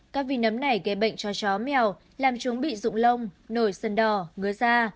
các vi nấm này gây bệnh cho chó mèo làm chúng bị dụng lông nổi sân đỏ ngứa da